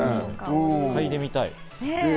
嗅いでみたい。